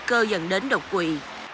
các yếu tố dần đến đột quỵ